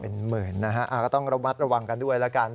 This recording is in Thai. เป็นหมื่นนะฮะก็ต้องระมัดระวังกันด้วยแล้วกัน